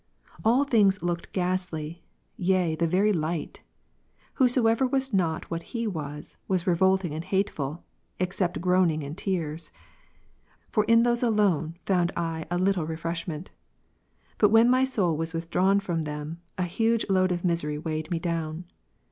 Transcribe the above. All things looked ghastly, yea, the very light ; whatsoever was not what he was, Avas revolting and hateful, except groaning and tears. For in those alone found I a little refreshment. But when my soul was withdrawn from them, a hv;ge load of misery weighed me down.